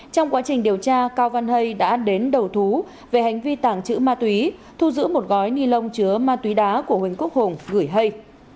trong quá trình điều tra cao văn hay đã đến đầu thú về hành vi tàng trữ ma túy thu giữ một gói ni lông chứa ma túy đá của huỳnh quốc hùng gửi hay